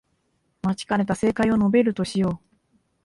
待ちかねた正解を述べるとしよう